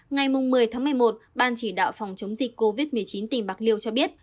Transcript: ngày một mươi một mươi một ban chỉ đạo phòng chống dịch covid một mươi chín tỉnh bạc liêu cho biết